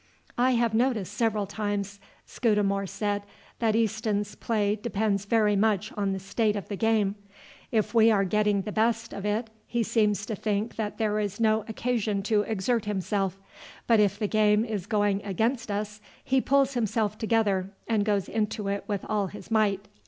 "I have noticed several times," Scudamore said, "that Easton's play depends very much on the state of the game: if we are getting the best of it he seems to think that there is no occasion to exert himself, but if the game is going against us he pulls himself together and goes into it with all his might."